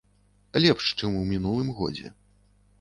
Лепш, чым у мінулым годзе.